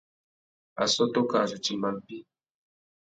Assôtô kā zu timba mpí.